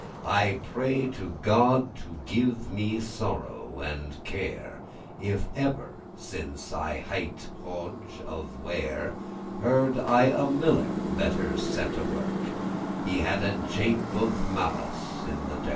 I pray to God to give me sorrow and care If ever, since I highte* Hodge of Ware, *was called Heard I a miller better *set a work*; *handled He had a jape* of malice in the derk.